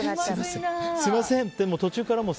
すみませんって。